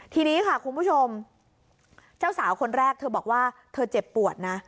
ทีนี้ค่ะคุณผู้ชมเจ้าสาวคนแรกเธอบอกว่าเธอเจ็บปวดนะ